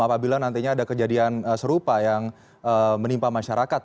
apabila nantinya ada kejadian serupa yang menimpa masyarakat